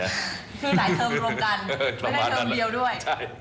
มีหลายเทอมรวมกันไม่ได้เทอมเดียวด้วย